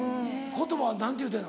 言葉は何て言うてんの？